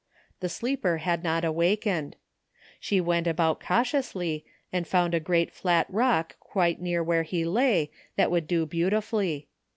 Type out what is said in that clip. The sleeper had not awakened. She went about cautiously and found a great flat rock quite near where he lay that would do beautifully.